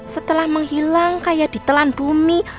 setelah menghilang kayak ditelan bumi